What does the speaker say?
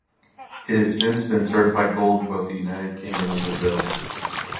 It has since been certified gold in both the United Kingdom and Brazil.